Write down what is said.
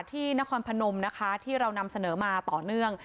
ที่นครพนมนะคะที่เรานำเสนอมาต่อเนื่อง